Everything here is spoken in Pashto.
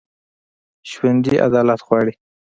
ژوندي عدالت غواړي